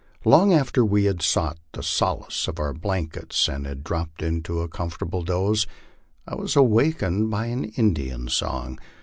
Long after we had sought the solace of our blankets, and I had dropped into a comforta ble doze, I was awakened by an Indian song.